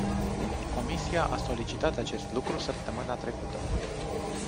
Comisia a solicitat acest lucru săptămâna trecută.